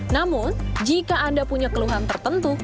namun jika anda punya keluhan tertentu